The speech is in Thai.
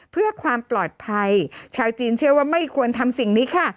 เพื่อความปลอดภัยชาวจีนเชื่อว่าไม่ควรทำสิ่งนี้ค่ะ